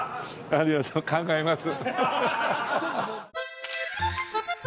ありがとう考えます。